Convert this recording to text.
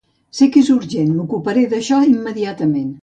Sé que és urgent, m'ocuparé d'això immediatament.